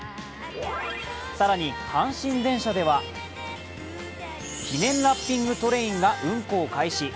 更に、阪神電車では記念ラッピングトレインが運行開始。